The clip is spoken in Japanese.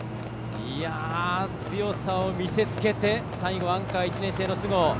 強さを見せ付けて最後、アンカー１年生の須郷。